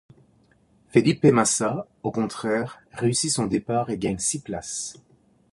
Felipe Massa, au contraire, réussit son départ et gagne six places.